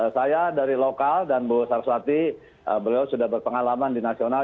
saya dari lokal dan bu sarswati beliau sudah berpengalaman di nasional